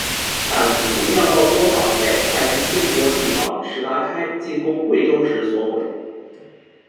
但古酿造作房被太平天国翼王石达开进攻贵州时所毁。